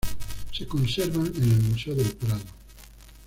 Se conservan en el Museo del Prado.